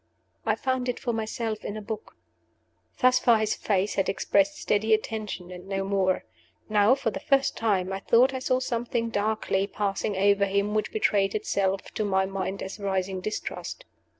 "I found it for myself in a book." Thus far his face had expressed steady attention and no more. Now, for the first time, I thought I saw something darkly passing over him which betrayed itself to my mind as rising distrust.